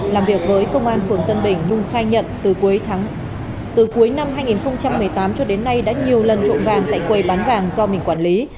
làm việc với công an phường tân bình nhung khai nhận từ cuối năm hai nghìn một mươi tám cho đến nay đã nhiều lần trộm vàng tại quầy bán vàng do mình quản lý